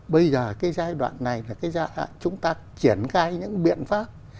bây giờ cái giai đoạn này là cái giai đoạn chúng ta triển khai những biện pháp